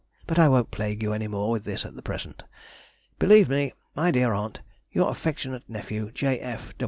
But I won't plague you any more with this at present. Believe me, dear Aunt, Your affectionate Nephew, J.